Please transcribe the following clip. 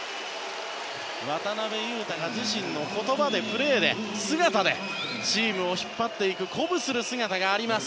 渡邊雄太が自身の言葉でプレーで、姿でチームを引っ張っていく鼓舞する姿があります。